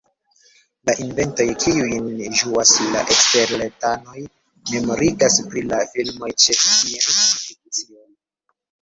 La inventoj kiujn ĝuas la eksterteranoj memorigas pri la filmoj de scienc-fikcio.